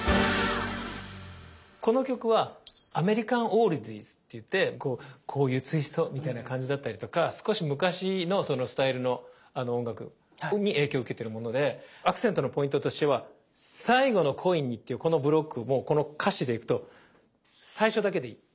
この曲はアメリカン・オールディーズって言ってこういうツイストみたいな感じだったりとか少し昔のそのスタイルの音楽に影響受けてるものでアクセントのポイントとしては「最後のコインに」っていうこのブロックもうこの歌詞でいくと最初だけでいい。